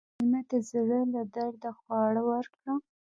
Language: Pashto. مېلمه ته د زړه له درده خواړه ورکړه.